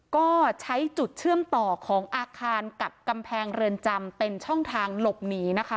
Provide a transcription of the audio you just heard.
ก็ใช้จุดเชื่อมต่อของอาคารกับกำแพงเรือนจำเป็นช่องทางหลบหนีนะคะ